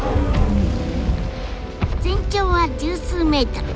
全長は十数ｍ。